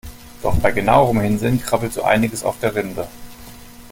Doch bei genauerem Hinsehen krabbelt so einiges auf der Rinde.